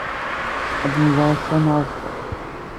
Ad nẓer ass-a neɣ azekka.